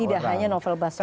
tidak hanya novel bahswedan